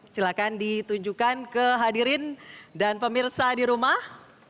silahkan ditunjukkan ke hadirin dan pemirsa di rumah